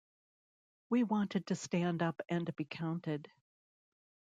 We wanted to stand up and be counted.